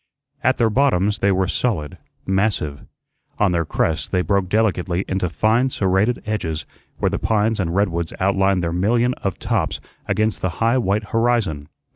At their bottoms they were solid, massive; on their crests they broke delicately into fine serrated edges where the pines and redwoods outlined their million of tops against the high white horizon.